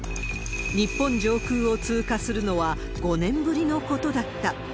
日本上空を通過するのは５年ぶりのことだった。